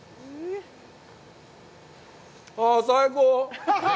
あぁ、最高！